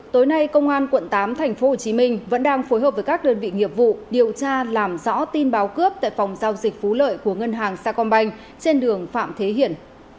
tối nay công an quận tám tp hcm vẫn đang phối hợp với các đơn vị nghiệp vụ điều tra làm rõ tin báo cướp tại phòng giao dịch phú lợi của ngân hàng sacombank trên đường phạm thế hiển